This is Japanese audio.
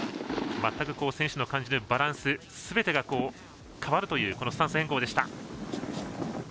全く選手の感じるバランスすべてが変わるというスタンス変更でした。